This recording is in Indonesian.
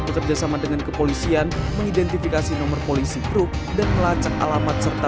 bekerja sama dengan kepolisian mengidentifikasi nomor polisi truk dan melacak alamat serta